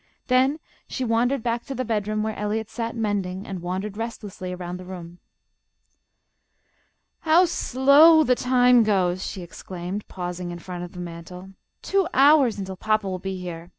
Then she wandered back to the bedroom where Eliot sat mending, and wandered restlessly around the room. "How slow the time goes," she exclaimed, pausing in front of the mantel. "Two hours until papa will be here.